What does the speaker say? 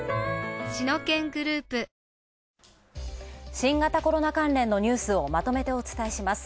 新型コロナ関連のニュースをまとめてお伝えします。